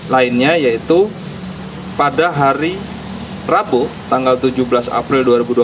lainnya yaitu pada hari rabu tanggal tujuh belas april dua ribu dua puluh